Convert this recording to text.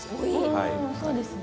うんそうですね。